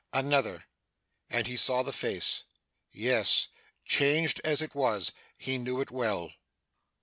Another, and he saw the face. Yes! Changed as it was, he knew it well.